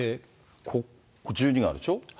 ここ１２があるでしょ。